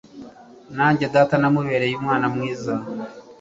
nanjye, data namubereye umwana mwiza